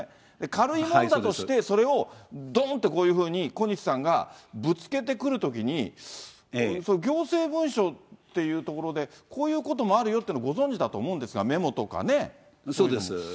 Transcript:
軽いものだとして、それをどんってこういうふうに小西さんがぶつけてくるときに、行政文書っていうところで、こういうこともあるよっていうの、ご存じだと思うんですが、メモとそうです。